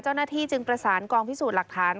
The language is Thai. เจ้าหน้าที่จึงประสานกองพิสูจน์หลักฐาน